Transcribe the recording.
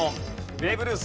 ベーブ・ルース。